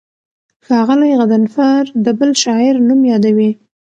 ښاغلی غضنفر د بل شاعر نوم یادوي.